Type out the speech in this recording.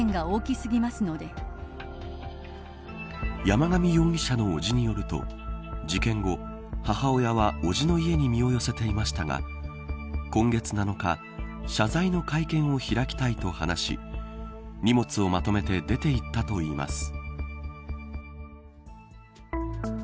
山上容疑者の伯父によると事件後、母親は伯父の家に身を寄せていましたが今月７日謝罪の会見を開きたいと話し荷物をまとめて出て行ったといいます。